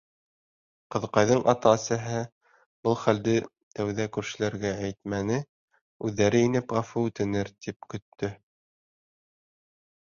Ҡыҙыҡайҙың ата-әсәһе был хәлде тәүҙә күршеләргә әйтмәне, үҙҙәре инеп ғәфү үтенер, тип көттө.